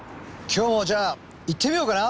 今日もじゃあ行ってみようかな。